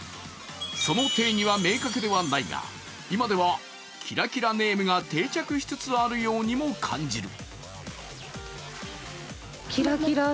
その定義は明確ではないが、今ではキラキラネームが定着しつつあるようにも感じる。